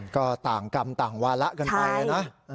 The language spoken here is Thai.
ก็ต่างกรรมต่างวาระกันไปนะ